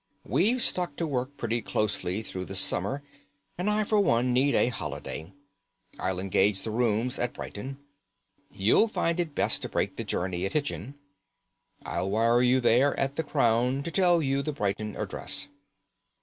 We've stuck to work pretty closely through the summer, and I for one need a holiday. I'll engage the rooms at Brighton. You'll find it best to break the journey at Hitchin. I'll wire to you there at the Crown to tell you the Brighton address."